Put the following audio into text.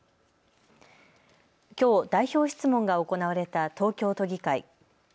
きょう、代表質問が行われた東京都議会。